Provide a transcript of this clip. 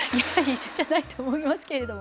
一緒じゃないと思いますけれども。